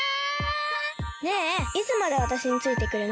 ねえいつまでわたしについてくるの？